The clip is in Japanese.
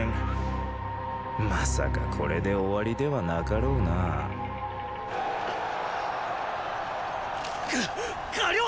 まさかこれで終わりではなかろうなかっ河了貂！